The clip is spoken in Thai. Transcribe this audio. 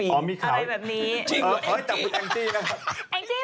หูข่าวให้ทำเยอะที่สุดทั้งปี